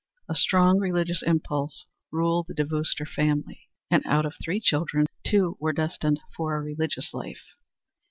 A strong religious impulse ruled the de Veuster family, and out of three children two were destined for a religious life.